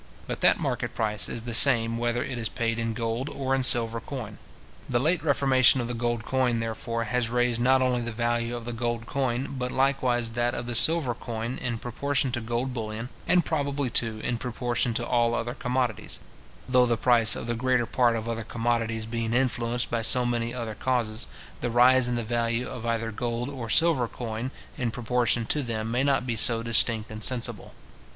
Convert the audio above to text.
But that market price is the same whether it is paid in gold or in silver coin. The late reformation of the gold coin, therefore, has raised not only the value of the gold coin, but likewise that of the silver coin in proportion to gold bullion, and probably, too, in proportion to all other commodities; though the price of the greater part of other commodities being influenced by so many other causes, the rise in the value of either gold or silver coin in proportion to them may not be so distinct and sensible.